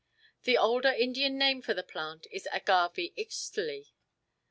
The older Indian name for the plant is Agave Ixtli.